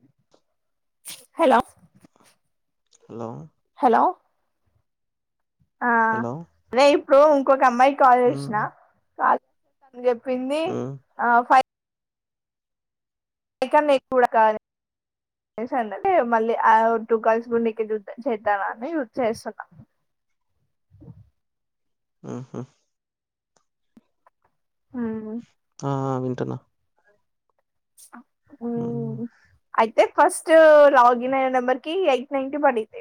[inaudible] Hello hello hello ఆ hello అదే ఇప్పుడు ఇంకొక అమ్మాయికి కాల్ హ్మ్ చేసిన నువ్ చెప్పింది హ్మ్ నీ కన్న ఎక్కువ కాద అంటే మళ్ళీ ఆ టూ గర్ల్స్ గుడి చ చేత్తా [unintelligible] రని యూజ చేస్తాన్నా ఆహా అవున ఆ వింటన్నా ఆ ఏమి అయితే ఫస్ట్ లాగిన్ అయిన నెంబర్ కి ఎయిట్ నైన్ ప [unintelligible] అయితే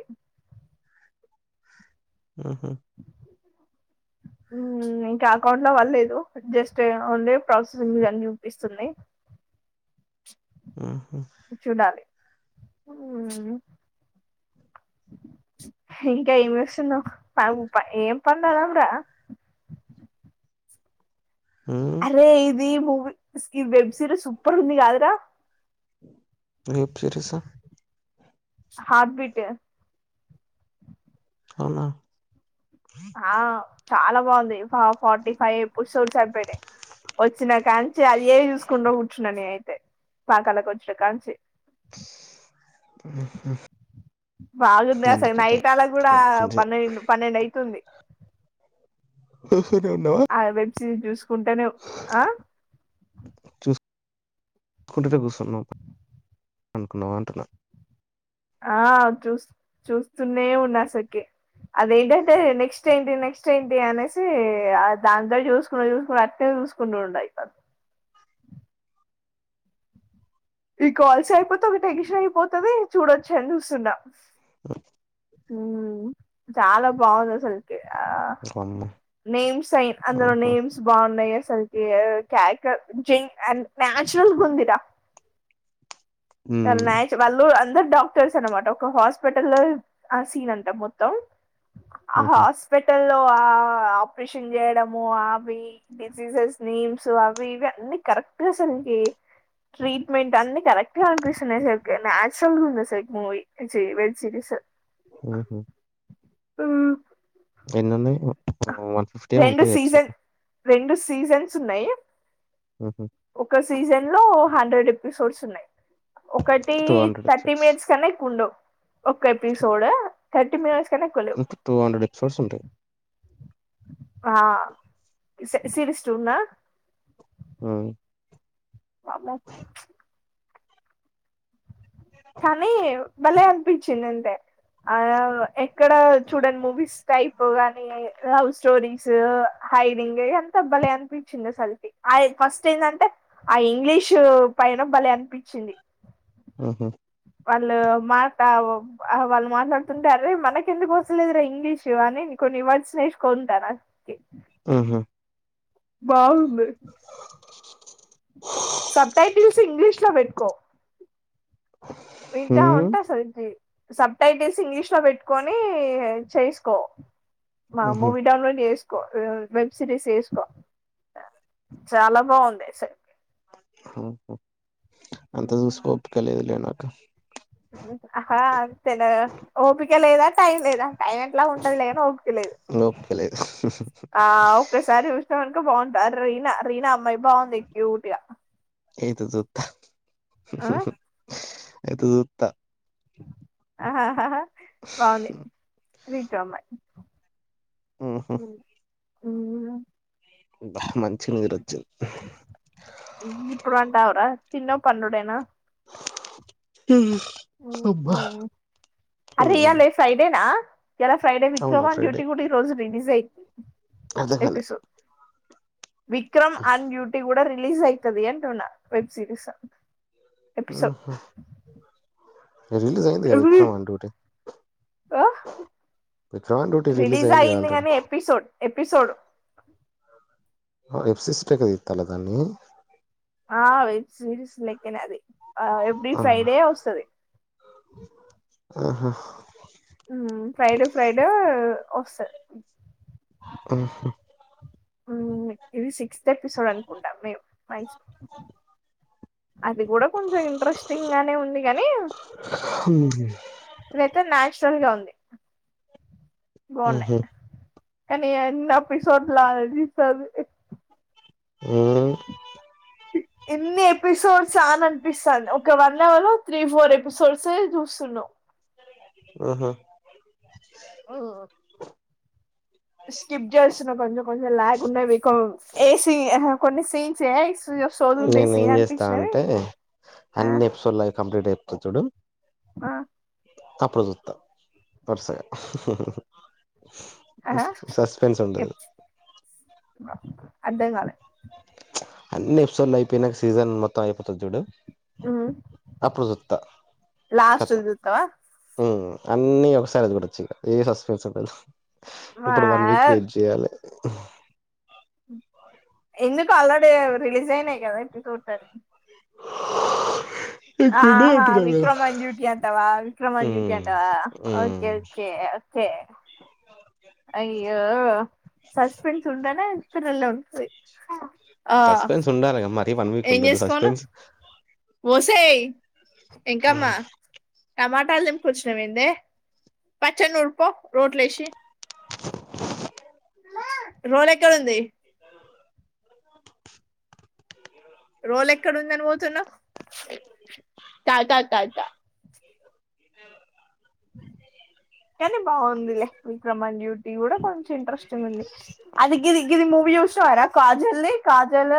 ఆహా [inaudible] మ్మ్ ఇంకా అకౌంట్ లో పల్లేదు జస్ట్ ఓన్లీ ప్రాసెసింగ్ అని చూపిస్తుంది ఆహా అవునులేండి ఇంకా ఏమి చూస్తున్నావు ఏం పండాలండా [unintelligible] హ్మ్ ఈ వెబ్ సిరీస్ సూపర్ ఉంది కాదరా వెబ్ సిరీసా హబిట్ అవునా ఆ చాలా బాగుంది ఫార్టీ ఫైవ్ ఎపిసొడ్స్ అయిపొయినాయ్ వచ్చిన కానిచ్చి అదే చూసుకుంట కూర్చున్నా నిను అయితే పాకాలకు వచ్చిన కానిచ్చి ఆహ్ [inaudible] బాగుందా అసలు నైట్ అలా కూడా ఫోన్ చే పన్నెండు పన్నెండు అయితుంది చూసిర్ర వాళ్ళు ఫోన్ చూసుకుంటాను కుంటర కూ [unintelligible] చంవ్ అనుకున్నావా అంటున్నా ఆ చూ చూస్తునే ఉన్నా అసలకి అదేంటంటే నెక్స్ట్ ఏంటి నెక్స్ట్ ఏంటి అనేసి దాన్నే చూసుకు చూసుకుంటా అట్లే చూసుకుండ ఉండు అయిత ఈ కాల్స్ అయిపోతే ఒక టెన్షన్ అయిపోతాది చూడొచ్చా అని చూస్తున్నా అ మ్మ్ చాలా బాగుంది అసలు వామ్మో నేమ్స్ అయ అందులో ఆహా నేమ్స్ బాగున్నాయ స్ల్కి క్యాక జ [unintelligible] అండ్ న్యాచురల్ ఉంది రా ఆ హ్మ్ న్యాచురల్ అంద డాక్టర్స్ అనమాట ఒక హాస్పిటల్ లో ఆ సీన్ అంతా మొత్తం ఆహ ఊహూ హాస్పిటల్ లోఅ ఆపరేషన్ చేయడము అవి డిసీజెస్ నేమ్స్ అవి ఇవి అన్ని కరెక్ట్ అసలు నికి ట్రీట్మెంట్ అన్ని కరెక్ట్ కరెక్ట్ గా అనిపిస్తున్నాయి అసలకి మ్యసామ్ [unintelligible] ముూవీ వబ్ సిరిస్ మ్మ్ హ్హ్ మ్మ్ ఎన్ని ఉన్నాయ్ రెండు సీజన్ రెండు సీజన్స్ ఉన్నాయి ఊహూ ఒక సీజన్ లో హండ్రెడ్ ఎపిసోడ్స్ ఉన్నాయి ఒకటి two hundred thirty episodes minutes కన్నా ఎక్కువ ఉండవు ఒక ఎపిసోడ్ థర్టీ మినిట్స్ కన్నా ఎక్కువ లేవు ఇంకా టూ హండ్రెడ్ ఎపిసోడ్స్ ఉంటాయి ఆ సీ సిరిస్ ఉందా మ్మ్ వామ్మో ప్చ్ కానీ భలే అనిపించింది అంతే ఆ ఎక్కడ చూడని మూవీస్ అయిపోగానే లవ్ స్టోరీస్ హైడింగ్ ఎంత భలే అనిపించింది అసల్కి ఆ ఫస్ట్ ఏందంటే ఆ ఇంగ్లీషు పైన భలే అనిపించింది మ్మ్ హ్హ్ వాళ్ళు మాట ఆ వాళ్ళు మాట్లాడుతుంటే అరె మనకు ఎందుకు వస్తలేదురా ఇంగ్లీషు అని కొన్ని వర్డ్స్ నేర్చుకుంటున్న అందుకే మ్మ్ హ్హ్ బాగుంది ఇట్ల పెట్టుకో వింటా హ్మ్ ఉంటా అసల్కి సబ్ టైటిల్స్ ఇంగ్లీష్ లో పెట్టుకొని చేసుకో మా ఊహూ మూవీ డౌన్లోడ్ చేస్ కో వెబ్ సిరీస్ వేసుకో చాలా బాగుంది మ్మ్ హ్హ్ అంత చూసే ఓపిక లేదులే నాకు హా హ్ అంతేనా ఓపిక లేదా టైం లేదా టైం ఎట్లాగు ఉంటదిలేగాని ఓపిక లేదు ఓపిక లేదు ఆ ఒక్కసారి చూసవనుకో బాగుంటు ఆ రీనా రీనా అమ్మాయి బాగుంది క్యూట్గా అయితే చూత్త మ్మ్ హ్ మ్మ్ హ్హ్ అయితే చూత్త అ హా హా హా బాగుంది రీనా అమ్మాయి మ్మ్ హ్హ్ మ్మ్ హ్ మంచి నిద్రొచ్చింది ఇప్పుడు అంటావరా తిన్నావ్ పండుడేనా మ్మ్ హ్ అబ్బా మ్మ్ ఇలా ఫ్రైడే విక్రమాన్ డ్యూటీ కూడా ఈ రోజు రిలీజ్ అయింది అర్థం కాలే ఎపిసోడ్ విక్రమ్ ఆన్ డ్యూటీ కూడా రిలీజ్ అయితది అంటున్నా వెబ్ సీరీస్ మ్మ్ రిలీజ్ అయిందిగా విక్రమ్ ఆన్ డ్యూటీ ఆ విక్రమ్ వన్ డ్యూటీ రిలీజ్ అయిందిగా అయింది ఆల్రెడీ కాని ఎపిసోడ్ ఎపిసోడ్ వెబ్ సిరీస్ లెక్క చేస్తాన్ల దాన్ని ఆ వెబ్ సిరీస్ లెక్కనే అది ఆ ఎవ్రీ అవునా ఫ్రైడే వస్తది ఆ మ్మ్ హ్హ్ ఫ్రైడే ఫ్రైడే వస్తది మ్మ్ హ్హ్ మ్మ్ ఇది సిక్స్ తర్టీ సెవెన్ అనుకుంటా మే బి అది కూడా కొంచెం ఇంట్రెస్టింగ్ గానే ఉంది గాని ఇదైతే నైస్ గా ఉంది మ్మ్ బాగున్నాయి హ్హ్ కానీ ఎన్ని ఎపిసోడ్లా అనిపిత్తది మ్మ్ ఏన్ని ఎపిసోడ్స్ ఆ అని అన్పిస్తంది ఒక వన్ అవర్ లో త్రీ, ఫోర్ ఎపిసోడ్స్ చూస్తున్నాం. ఆ ఉహూ. స్కిప్ చేస్తున్నా కొంచెం కొంచెం లగ్ ఉన్నావి కో ఏసీ హే కొన్ని సీన్స్. సోదుంటాయి నేను ఏం సీన్ చేస్తా అనిపించినవి అంటే ఆ అన్ని ఎపిసోడ్లవి కంప్లీట్ అయిపోతది చూడు. ఆ. అప్పుడు చూస్తా వరుసగా. ఆహా ఉం సస్పెన్స్ ఉంటది. అర్థం కాలే. అన్ని ఎపిసోడ్లు అయిపోయినాక సీజన్ మొత్తం అయిపోతది చూడు. అప్పుదుంత లాస్ట్ కతం. చూస్తావా అన్నీ ఒకసారి చూడొచు ఇగా ఏ సస్పెన్స్ ఉండదు. ఇప్పుడు వన్ వీక్ వెయిట్ చేయాలే. [inaudible] ఎందుకు ఆల్రెడీ రిలీజ్ అయినాయి కదా ఇప్పుడు చూస్తది. ఇక్కడ్నే ఆహా అంటున్నావు కదా విక్రమాన్ డ్యూటీ అంటావా విక్రమాన్ డ్యూటీ హ్మ్ అంటావా హ్మ్ ఓకే ఓకే. కే. అయ్యో సస్పెన్స్ ఉంటనే ఇప్పు నల ఉంటది. ఆ సస్పెన్స్ ఉండాలిగా మరీ వన్ వీక్ ఏం ఉండదు చేసుకోను సస్పెన్స్ ఒసేయ్. ఎంకామ్మా. టమాటాలు దెంపుకోచినవేందే పచ్చడ నురుపో రోట్లో ఏశీ. [inaudible] రోల్ ఎక్కడ ఉంది. రోల్ ఎక్కడ ఉందని పోతున్నావ్. టాటా దడ. కనీం. బాగుందిలే విక్రమాన్ డ్యూటీ కూడా కొంచం ఇంట్రెస్టింగ్ ఉంది. చూతవర Kajal the Kajal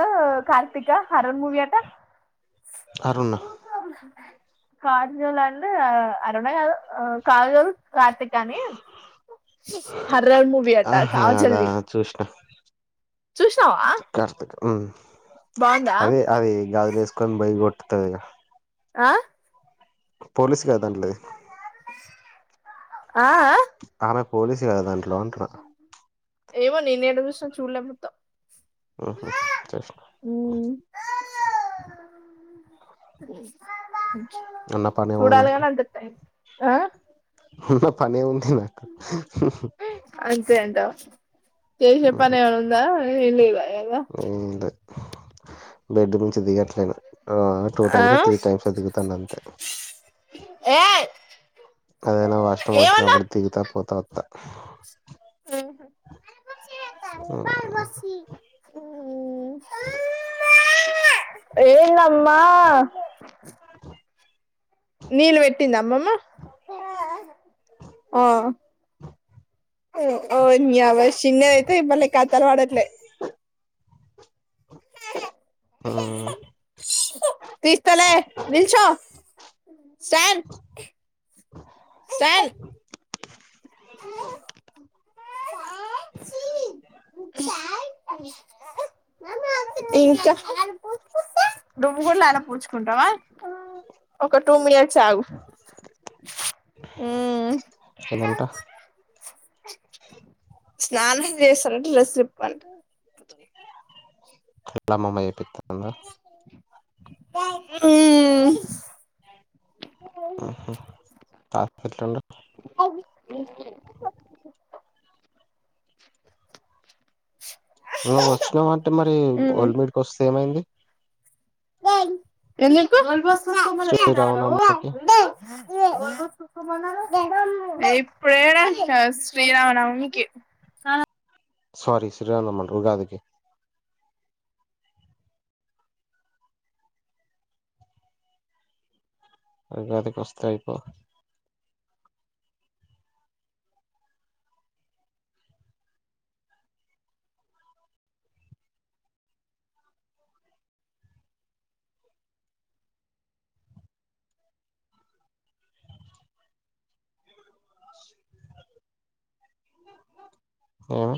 Karthika horror movie అట్ట. అరున్న. [inaudible] కాజల్ అండ్ అరుణ కాదు కాజల్ కార్తిక అని. హర్రర్ మూవీ అట కాజల్ ది. చిప్రాస్పిటల్ ఉమ్ బాగుందా అది అదది గాజులు ఏసుకొని పోయి కొట్. పోతది. ఆ. పోలీస్ లేదా దాంట్లో. ఆ ఆ. ఆమె పోలీసు కదా దాంట్లో అంటున్నా. ఏమో నేను ఏడ చూసిన చూడలే మొత్తం. ఉహు చేసిన మంచిది. ఉన్న పనేముంది నాకు చూడాలిగానీ అంత టైం లేద్. ఆ. ఉన్న పనేముంది. అంతే అంటావా చేసే ఉమ్, పనేమ్మన ఉందా ఎంలేదైయ్ గా. బెడ్డు మించి దిగట్లేదు. టు ఆ టైమ్స్ ఓ త్రీ టైమ్స్ ఓ దిగుతాన అంతే. ఏ అదైనా వాష్ రూమ్ ఏమన్నా వచ్చినప్పుడు దిగుతా పోతా వత్. ఆహ. తెతంది బలు పోసీ‌ అమ్మ. ఏందమ్మా. నీళ్లు పెట్టిందా అమ్మమ్మ అ. ఓ నియావ చిన్నది అతే భలే కతలు పడట్లే. ఆ తీస్తస్తలే నిల్చ సార్ అ ఇ నువ్వు కూడాలా ఆన పూచుకుంటావా ఒక టూ మినిట్స్ ఆగు అ ఏదంట స్నానం చేస్తారంట ్రస్లిప్పంటే కళ మమయపితంద ఆ ండ ఇ నువ్వు వచ్చినవు అంటే మరి ఓల్డ్ మీడ్కి వస్తే ఏమైంది ఎంట ఏుకు శ్రీరామనవమికి మ ఇప్పుడేనా శ్రీరామనవమికి సారీ శ్రీరాందమ్మన్ ఉగాదుకి అ అది కస్తయిపో ఆ ఏమ